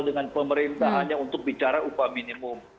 dengan pemerintah hanya untuk bicara upah minimum